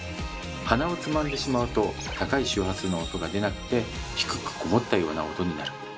鼻をつまんでしまうと高い周波数の音が出なくて低くこもったような音になる。